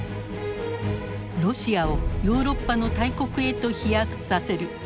ロシアをヨーロッパの大国へと飛躍させる。